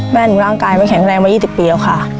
หนูร่างกายมันแข็งแรงมา๒๐ปีแล้วค่ะ